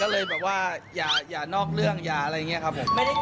ก็เลยแบบว่ายัวนอกเรื่องอะไรง็ครับ